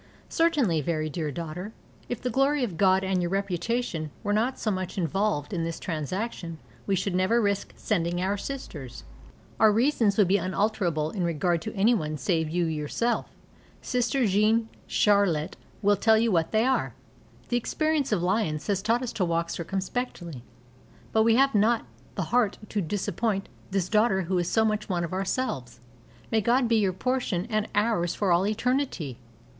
Certainly, very dear daughter, if the glory of God and your reputation were not so much involved in this transaction we should never risk sending our sisters. Our reasons would be unalterable in regard to anyone save you yourself. Sister Jeanne Charlotte will tell you what they are. The experience of Lyons has taught us to walk circumspectly. But we have not the heart to disappoint this daughter who is so much one of ourselves. May God be your portion and ours for all eternity!